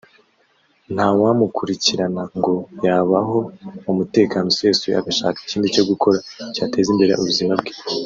nta wamukurikirana ngo yabaho mu mutekano usesuye agashaka ikindi cyo gukora cyateza imbere ubuzima bwe